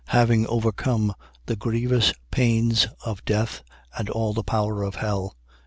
.Having overcome the grievous pains of death and all the power of hell.